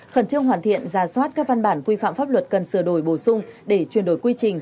khẩn trương hoàn thiện giả soát các văn bản quy phạm pháp luật cần sửa đổi bổ sung để chuyển đổi quy trình